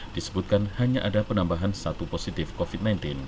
disebutkan hanya ada penambahan satu positif covid sembilan belas